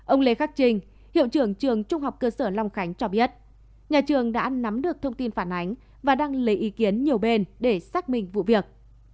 ông lê khắc trình hiệu trưởng trường trung học cơ sở long khánh cho biết nhà trường đã nắm được thông tin phản ánh và đăng lấy ý kiến nhiều bên để xác minh vụ việc